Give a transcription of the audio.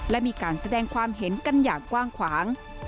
และมีการแสดงความเห็นกันอย่างกว้างขวาง